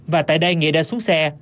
và tại đây nghĩa đã xuống xe